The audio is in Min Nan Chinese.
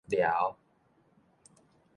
療